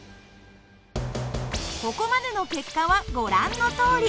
ここまでの結果はご覧のとおり。